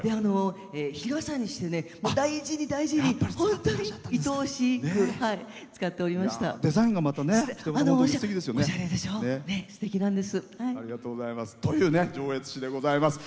日傘にして、大事に大事に本当にいとおしく使っておりました。